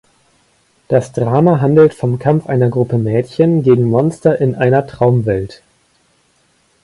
Das Drama handelt vom Kampf einer Gruppe Mädchen gegen Monster in einer Traumwelt.